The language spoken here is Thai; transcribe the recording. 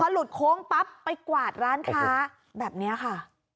หลุดโค้งปั๊บไปกวาดร้านค้าแบบนี้ค่ะ